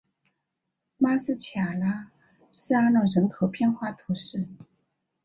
马斯卡拉斯阿龙人口变化图示